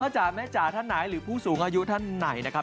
จ๋าแม่จ๋าท่านไหนหรือผู้สูงอายุท่านไหนนะครับ